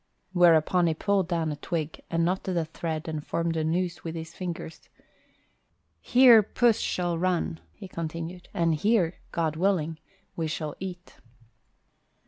Whereupon he pulled down a twig and knotted the thread and formed a noose with his fingers. "Here puss shall run," he continued, "and here, God willing, we shall eat."